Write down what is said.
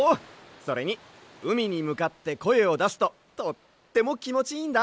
それにうみにむかってこえをだすととってもきもちいいんだ！